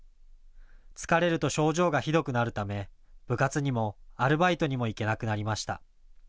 疲れると症状がひどくなるため部活にもアルバイトにも行けなくなりました。